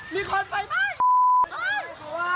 มีคนไปบ้าน